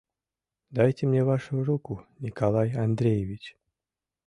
Дайте мне вашу руку, Николай Андреевич.